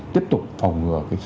tiếp tục phòng ngừa